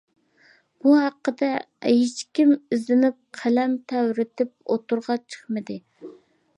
بۇ ھەققىدە ھېچكىم ئىزدىنىپ قەلەم تەۋرىتىپ ئوتتۇرىغا چىقمىدى!